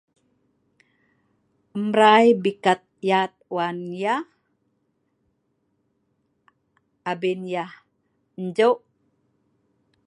Emrai bikat yat wan yeh abin yeh enjeuk